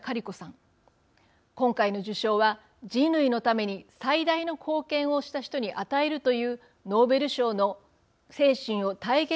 今回の受賞は人類のために最大の貢献をした人に与えるというノーベル賞の精神を体現したものだと思います。